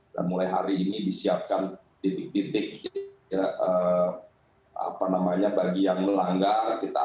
mulai hari ini disiapkan titik titik bagi yang melanggar